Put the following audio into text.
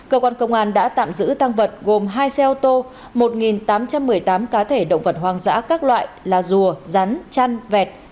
cơ quan công an đã tạm giữ tăng vật gồm hai xe ô tô một tám trăm một mươi tám cá thể động vật hoang dã các loại là rùa rắn chăn vẹt